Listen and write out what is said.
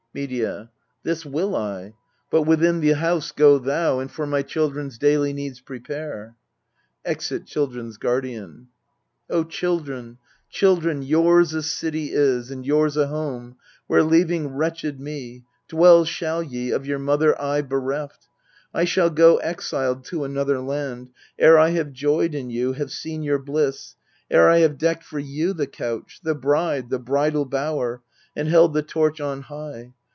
Medea. This will I : but within the house go thou, And for my children's daily needs prepare. [Exit CHILDREN'S GUARDIAN. children, children, yours a city is, And yours a home, where, leaving wretched me, Dwell shall ye, of your mother aye bereft. 1 shall go exiled to another land, Ere I have joyed in you, have seen your bliss, Ere I have decked for you the couch, the bride, The bridal bower, and held the torch on high.